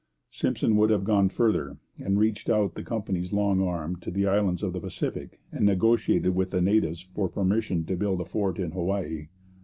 Simpson would have gone further, and reached out the company's long arm to the islands of the Pacific and negotiated with the natives for permission to build a fort in Hawaii.